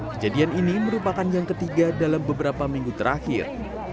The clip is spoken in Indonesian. kejadian ini merupakan yang ketiga dalam beberapa minggu terakhir